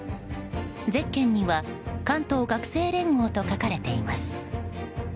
ゼッケンには「関東学生連合」と書かれています。